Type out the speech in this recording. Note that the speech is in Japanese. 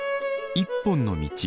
「一本の道」。